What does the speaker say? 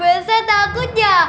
bersa takut ya